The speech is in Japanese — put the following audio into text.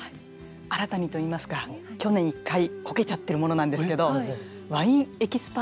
新たにと言いますか去年一回こけちゃってるものなんですけどワインエキスパートの試験。